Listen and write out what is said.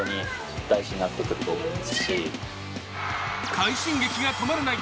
快進撃が止まらない